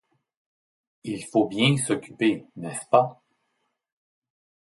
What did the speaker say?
Il faut bien s'occuper, n'est-ce pas?